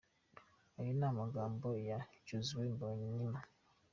Ayo ni amagambo ya Josue Mbonimpa.